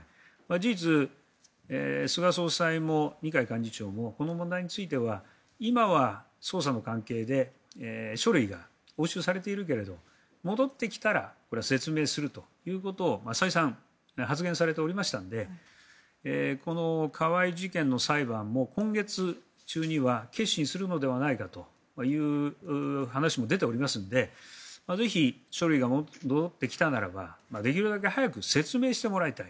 事実、菅総裁も二階幹事長もこの問題については今は捜査の関係で書類が押収されているけれども戻ってきたらこれは説明するということを再三、発言されておりましたのでこの河井事件の裁判も今月中には結審するのではないかという話も出ておりますのでぜひ、書類が戻ってきたならばできるだけ早く説明してもらいたい。